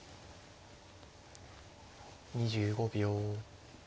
２５秒。